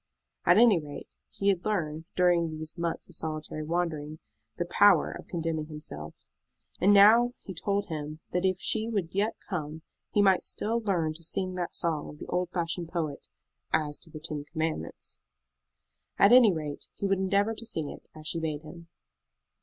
At any rate, he had learned, during those months of solitary wandering, the power of condemning himself. And now he told him that if she would yet come he might still learn to sing that song of the old fashioned poet "as to the ten commandments." At any rate, he would endeavor to sing it, as she bade him.